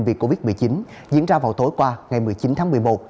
vì covid một mươi chín diễn ra vào tối qua ngày một mươi chín tháng một mươi một